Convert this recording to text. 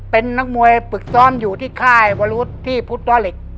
เป็นนักมวยฝึกซ้อมอยู่ที่ค่ายวรุษที่พุทธ้อเหล็ก